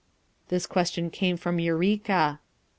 This question came from Eureka.